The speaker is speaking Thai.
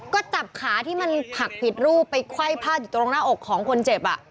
ก็จับขาที่มันหักผิดรูปไปไขว้พาดอยู่ตรงหน้าอกของคนเจ็บ